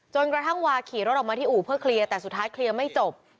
กระทั่งวาขี่รถออกมาที่อู่เพื่อเคลียร์แต่สุดท้ายเคลียร์ไม่จบ